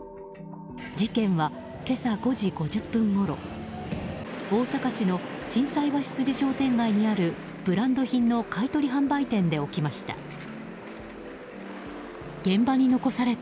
事件は今朝５時５０分ごろ大阪市の心斎橋筋商店街にあるブランド品の買い取り販売店で起きました。